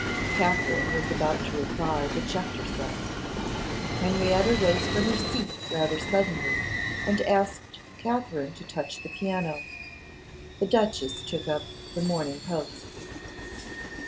Katherine was about to reply, but checked herself. Henrietta rose from her seat rather suddenly, and asked Katherine to touch the piano. The duchess took up the 'Morning Post.